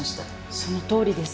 「そのとおりです」